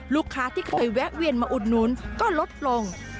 ลูกค้าที่เคยแวะเวียนมาอุดหนุนก็ลดลง